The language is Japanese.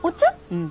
うん。